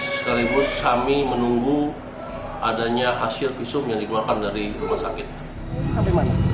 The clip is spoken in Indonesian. sekaligus kami menunggu adanya hasil visum yang dikeluarkan dari rumah sakit